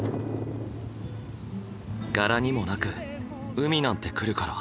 柄にもなく海なんて来るから。